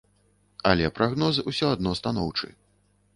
Але прагноз усё адно станоўчы.